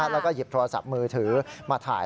แล้วก็หยิบโทรศัพท์มือถือมาถ่าย